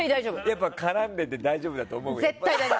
やっぱり絡んでて大丈夫だと思う？